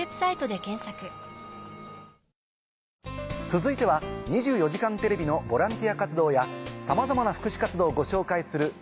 続いては『２４時間テレビ』のボランティア活動やさまざまな福祉活動をご紹介する。